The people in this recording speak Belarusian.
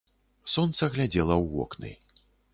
Сонца глядзела ў вокны.